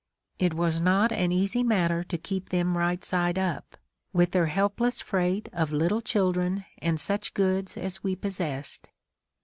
It was not an easy matter to keep them right side up, with their helpless freight of little children and such goods as we possessed.